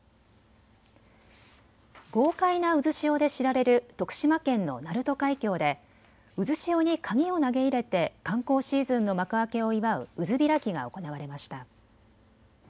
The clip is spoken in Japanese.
豪快な渦潮で知られる徳島県の鳴門海峡で渦潮に鍵を投げ入れて観光シーズンの幕開けを祝う渦開きが行われました。